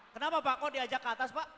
kenapa pak kok diajak ke atas pak